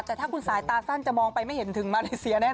แต่ถ้าคุณสายตาสั้นจะมองไปไม่เห็นถึงมาเลเซียแน่